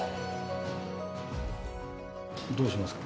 どうしますか？